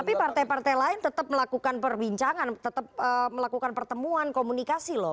tapi partai partai lain tetap melakukan perbincangan tetap melakukan pertemuan komunikasi loh